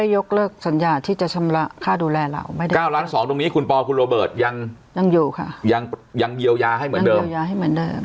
ยกเลิกสัญญาที่จะชำระค่าดูแลเหล่า๙ล้าน๒ตรงนี้คุณปอคุณโรเบิร์ตยังเยียวยาให้เหมือนเดิม